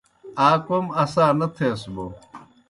آ کوْم اسا نہ تھیس بوْ ہا؟